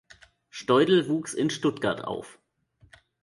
Steudel wuchs in Stuttgart auf.